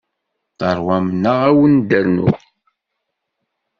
Teṛwam neɣ ad wen-d-rnuɣ?